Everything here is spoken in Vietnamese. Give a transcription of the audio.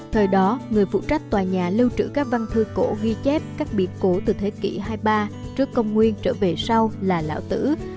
thời đó người phụ trách tòa nhà lưu trữ các văn thư cổ ghi chép các biệt cổ từ thế kỷ hai mươi ba trước công nguyên trở về sau là lão tử